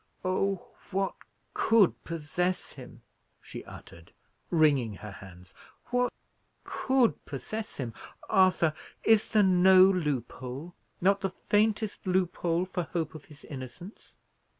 "Oh, what could possess him?" she uttered, wringing her hands; "what could possess him? Arthur, is there no loophole, not the faintest loophole for hope of his innocence?"